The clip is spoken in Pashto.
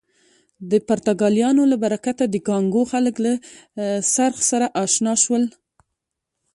د پرتګالیانو له برکته د کانګو خلک له څرخ سره اشنا شول.